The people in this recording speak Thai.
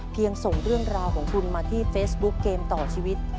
ส่งเรื่องราวของคุณมาที่เฟซบุ๊คเกมต่อชีวิต